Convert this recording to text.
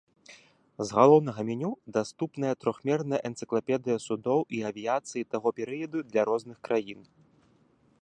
З галоўнага меню даступная трохмерная энцыклапедыя судоў і авіяцыі таго перыяду для розных краін.